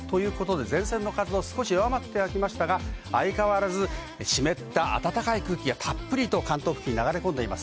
前線の活動が弱まってきましたが、湿った暖かい空気がたっぷりと関東付近に流れ込んでいます。